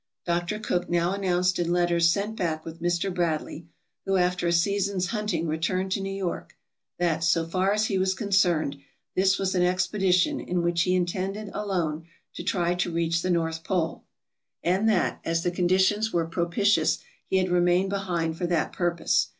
Dr. Cook now announced in letters sent back with Mr. Bradley, who after a season's hunting returned to New York, that, so far as he was concerned, this was an expedition in which he intended alone to try to reach the north pole; and that, as the conditions were propitious, he had remained behind for that purpose.